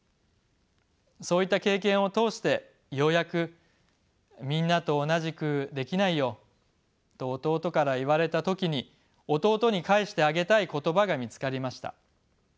そういった経験を通してようやく「みんなとおなじくできないよ」と弟から言われた時に弟に返してあげたい言葉が見つかりました。